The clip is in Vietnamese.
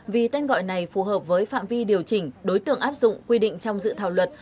vì tên gọi này phù hợp với phạm vi điều chỉnh đối tượng áp dụng quy định trong dự thảo luật